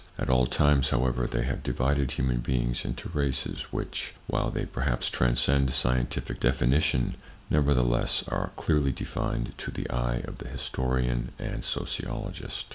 At all times, however, they have divided human beings into races, which, while they perhaps transcend scientific definition, nevertheless, are clearly defined to the eye of the Historian and Sociologist.